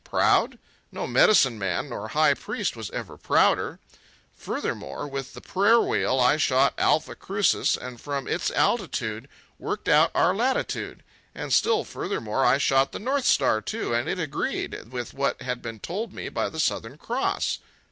Proud? No medicine man nor high priest was ever prouder. Furthermore, with the prayer wheel I shot Alpha Crucis and from its altitude worked out our latitude. And still furthermore, I shot the North Star, too, and it agreed with what had been told me by the Southern Cross.